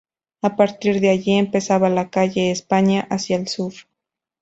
A partir de allí empezaba la calle España hacia el sur.